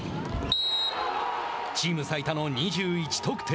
チーム最多の２１得点。